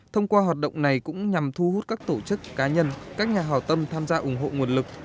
thông qua hoạt động này cũng nhằm thu hút các tổ chức cá nhân các nhà hào tâm tham gia ủng hộ nguồn lực